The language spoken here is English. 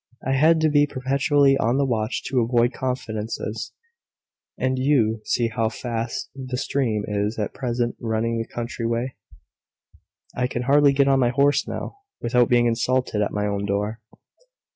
I had to be perpetually on the watch to avoid confidences; and you see how fast the stream is at present running the contrary way. I can hardly get on my horse now, without being insulted at my own door."